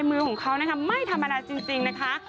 มือของเขานะคะไม่ธรรมดาจริงนะคะ